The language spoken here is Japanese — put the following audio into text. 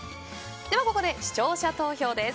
ここで視聴者投票です。